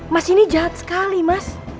mas ini jahat sekali mas